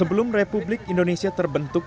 sebelum republik indonesia terbentuk